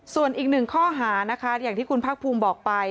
ส่วนอีก๑ข้อหาน่ะนะครับอย่างที่คุณภักพ์ภูมิบอกไป